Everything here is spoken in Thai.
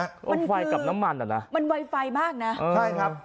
มันคือเอาไฟกับน้ำมันเหรอนะมันไวไฟมากน่ะเออใช่ครับ